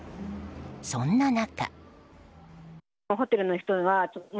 そんな中。